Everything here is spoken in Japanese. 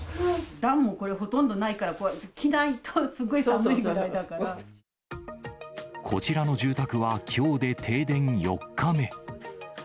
暖もほとんどないから、これ、こちらの住宅は、きょうで停電４日目。